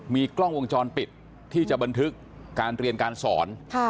มีกล้องวงจรปิดที่จะบันทึกการเรียนการสอน